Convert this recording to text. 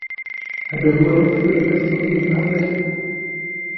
هذا هو الوقت الذي يصل فيه عادة.